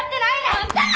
あんたや！